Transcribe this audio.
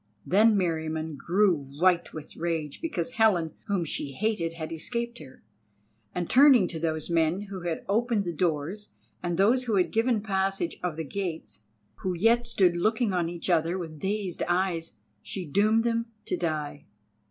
Then Meriamun grew white with rage because Helen whom she hated had escaped her, and turning to those men who had opened the doors and those who had given passage of the gates, who yet stood looking on each other with dazed eyes, she doomed them to die.